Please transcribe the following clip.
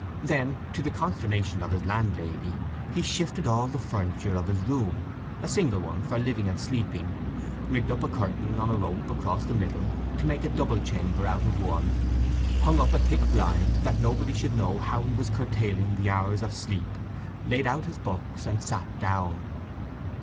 Then, to the consternation of his landlady, he shifted all the furniture of his room—a single one for living and sleeping—rigged up a curtain on a rope across the middle, to make a double chamber out of one, hung up a thick blind that nobody should know how he was curtailing the hours of sleep, laid out his books, and sat down.